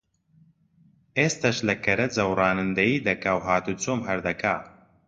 ئێستەش لە کەرەجە و ڕانندەیی دەکا و هاتوچۆم هەر دەکا